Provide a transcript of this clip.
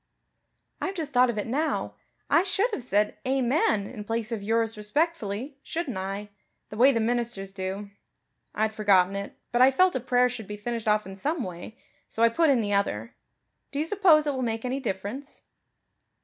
"I've just thought of it now. I should have said, 'Amen' in place of 'yours respectfully,' shouldn't I? the way the ministers do. I'd forgotten it, but I felt a prayer should be finished off in some way, so I put in the other. Do you suppose it will make any difference?"